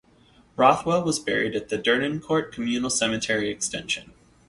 Rothwell was buried at the Dernancourt Communal Cemetery Extension.